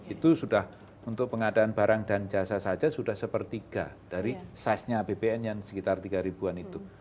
itu sudah untuk pengadaan barang dan jasa saja sudah sepertiga dari saiznya apbn yang sekitar rp tiga an itu